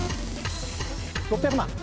６００万。